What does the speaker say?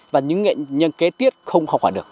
và những nghệ nhân kế tiết không học hỏi được